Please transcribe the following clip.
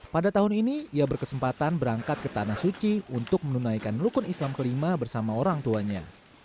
pada tahun ini ia berkesempatan berangkat ke tanah suci untuk menunaikan rukun islam kelima bersama orang tuanya